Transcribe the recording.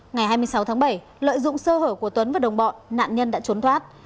ngày hai mươi sáu tháng bảy lợi dụng sơ hở của tuấn và đồng bọn nạn nhân đã trốn thoát